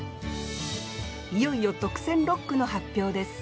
いよいよ特選六句の発表です。